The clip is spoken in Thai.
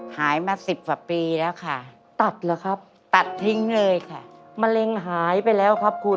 หายมา๑๐ปีแล้วค่ะ